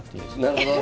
なるほど。